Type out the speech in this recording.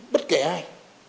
bất kể ai